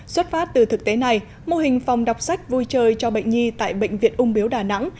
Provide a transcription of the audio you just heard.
xuất phát từ thực tế này mô hình phòng đọc sách vui chơi cho bệnh nhi tại bệnh viện ung biếu đà nẵng